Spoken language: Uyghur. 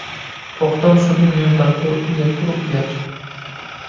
توختام سۇدىن نېمە پەرقى؟ ئۇياتتۇر ئۇيات!